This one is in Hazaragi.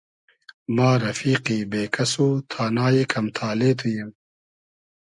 ما رئفیقی بې کئس و تانای کئم تالې تو ییم